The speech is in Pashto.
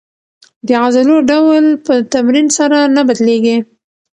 د عضلو ډول په تمرین سره نه بدلېږي.